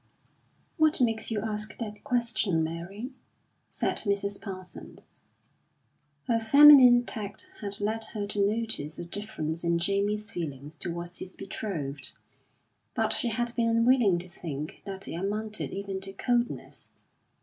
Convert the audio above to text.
"What makes you ask that question, Mary?" said Mrs. Parsons. Her feminine tact had led her to notice a difference in Jamie's feeling towards his betrothed; but she had been unwilling to think that it amounted even to coldness.